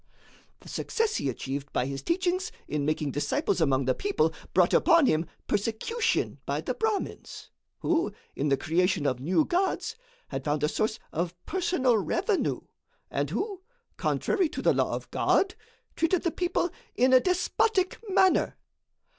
The success he achieved by his teachings in making disciples among the people, brought upon him persecution by the Brahmins, who, in the creation of new gods, had found a source of personal revenue, and who, contrary to the law of God, treated the people in a despotic manner.